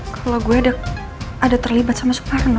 kalau gue ada terlibat sama soekarno